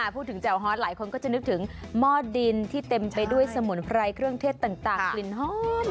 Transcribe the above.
แจ่วฮอตหลายคนก็จะนึกถึงหม้อดินที่เต็มไปด้วยสมุนไพรเครื่องเทศต่างกลิ่นหอม